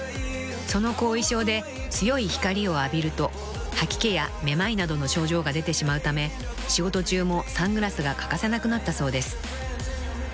［その後遺症で強い光を浴びると吐き気や目まいなどの症状が出てしまうため仕事中もサングラスが欠かせなくなったそうです］